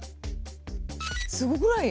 すごくない？